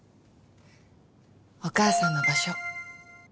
お義母さんの場所。